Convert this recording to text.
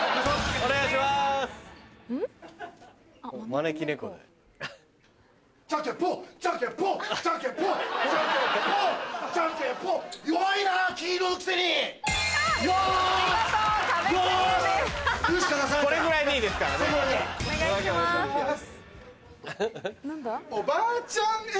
おばあちゃん Ａ